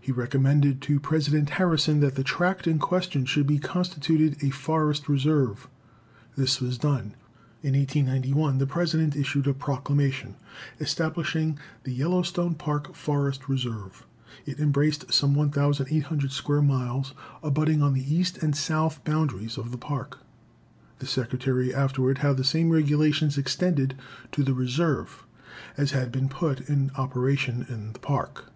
He recommended to President Harrison that the tract in question should be constituted a forest reserve. This was done. In 1891 the President issued a proclamation, establishing the Yellowstone Park Forest Reserve. It embraced some 1,800 square miles, abutting on the east and south boundaries of the Park. The Secretary afterward had the same regulations extended to the Reserve as had been put in operation in the Park.